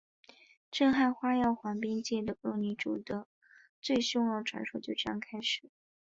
震撼花样滑冰界的恶女主角的最凶传说就这样开始了！